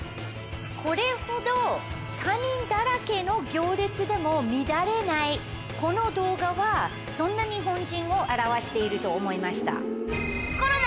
これほど他人だらけの行列でも乱れないこの動画はそんな日本人を表していると思いました。